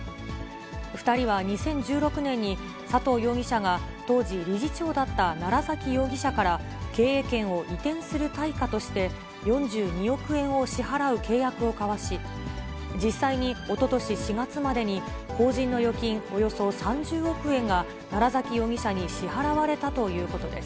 ２人は２０１６年に、佐藤容疑者が当時、理事長だった楢崎容疑者から経営権を移転する対価として、４２億円を支払う契約を交わし、実際におととし４月までに、法人の預金およそ３０億円が楢崎容疑者に支払われたということです。